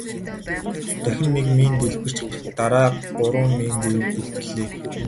Дахин нэг мин дэлбэрч дараа нь гурван мин зэрэг дэлбэрлээ.